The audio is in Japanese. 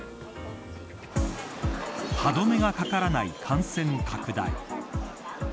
歯止めがかからない感染拡大。